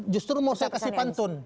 justru mau saya kasih pantun